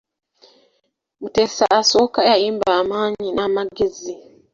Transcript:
Mutesa I yayimba amaanyi n'amagezi.